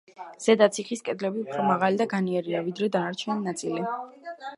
ზედა ციხის კედლები უფრო მაღალი და განიერია ვიდრე დანარჩენი ნაწილი.